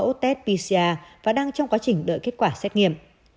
cô đã lấy mẫu test pcr và đang trong quá trình đợi kết quả xét nghiệm